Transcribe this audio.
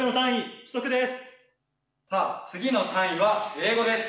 さあ次の単位は英語です。